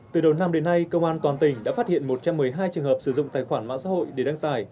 từ đầu năm đến nay công an toàn tỉnh đã phát hiện một trăm một mươi hai trường hợp sử dụng tài khoản mạng xã hội để đăng tải